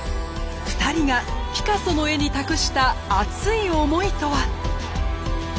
２人がピカソの絵に託した熱い思いとは？